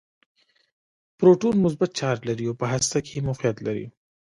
پروټون مثبت چارچ لري او په هسته کې موقعیت لري.